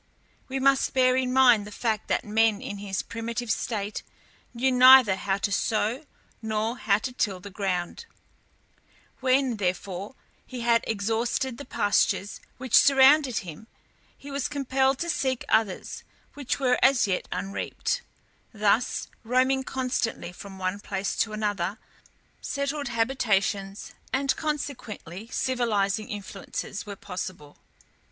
We must bear in mind the fact that man in his primitive state knew neither how to sow nor how to till the ground; when, therefore, he had exhausted the pastures which surrounded him he was compelled to seek others which were as yet unreaped; thus, roaming constantly from one place to another, settled habitations, and consequently civilizing influences, were impossible.